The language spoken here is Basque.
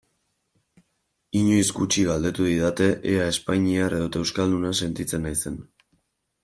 Inoiz gutxi galdetu didate ea espainiar edota euskalduna sentitzen naizen.